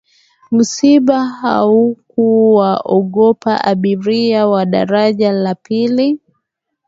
msiba haukuwaogopa abiria wa daraja la pili